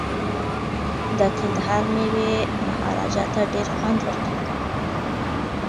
د کندهار میوې مهاراجا ته ډیر خوند ورکوي.